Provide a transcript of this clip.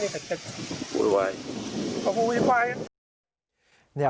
สุดท้ายผู้โดยวาย